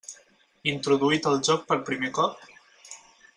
Introduït al joc per primer cop: